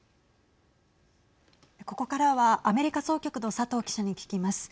ここからはアメリカ総局の佐藤記者に聞きます。